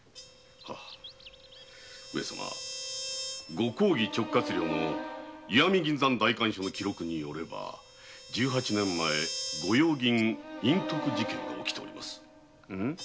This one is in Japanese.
ご公儀直轄領の石見銀山代官所の記録によれば十八年前御用銀隠匿事件が起きております。